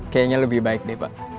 kayaknya lebih baik deh pak